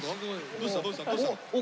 どうした？